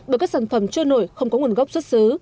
bởi các sản phẩm trôi nổi không có nguồn gốc xuất xứ